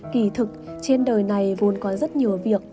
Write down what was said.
kỳ thực trên đời này vốn có rất nhiều việc